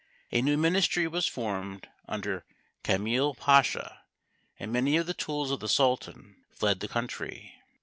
A new ministry was formed under Kiamil Pasha, and many of the tools of the Sultan fled the country.